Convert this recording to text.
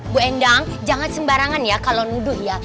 bu endang jangan sembarangan ya kalau nuduh ya